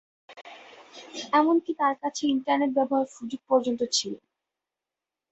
এমনকি তার কাছে ইন্টারনেট ব্যবহারের সুযোগ পর্যন্ত ছিলো।